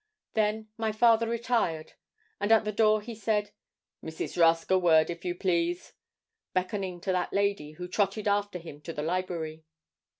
Then my father retired, and at the door he said 'Mrs. Rusk, a word, if you please,' beckoning to that lady, who trotted after him to the library.